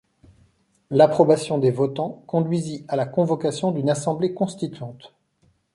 L'approbation des votants conduisit à la convocation d'une Assemblée constituante.